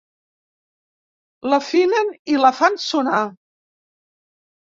L'afinen i la fan sonar.